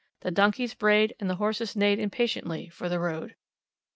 The donkeys brayed, and the horses neighed impatiently for the road.